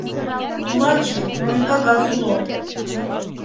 — Тулаче, мыйын кагаз уло.